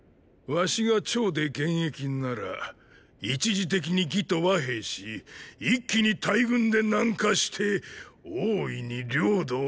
儂が趙で現役なら一時的に魏と和平し一気に大軍で南下して大いに領土を削り取るがのォ。